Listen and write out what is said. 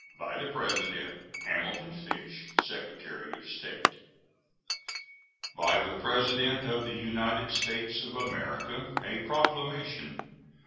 By the President: HAMILTON FISH, Secretary of State. BY THE PRESIDENT OF THE UNITED STATES OF AMERICA. A PROCLAMATION.